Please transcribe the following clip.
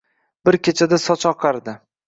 Bir kechada sochi oqardi».